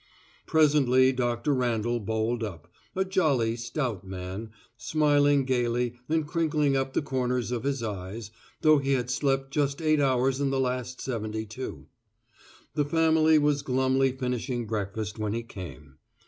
Presently Dr. Randall bowled up, a jolly stout man, smiling gayly and crinkling up the corners of his eyes, though he had slept just eight hours in the last seventy two. The family was glumly finishing breakfast when he came.